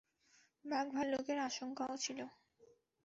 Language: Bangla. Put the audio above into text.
বাঘ-ভাল্লুকের আশঙ্কাও ছিল।